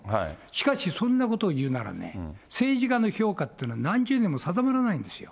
しかし、そんなことを言うならね、政治家の評価ってのは何十年も定まらないんですよ。